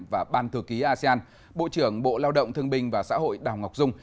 và ban thư ký asean bộ trưởng bộ lao động thương binh và xã hội đào ngọc dung